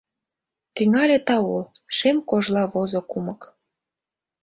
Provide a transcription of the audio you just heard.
Тӱҥале таул — шем кожла возо кумык.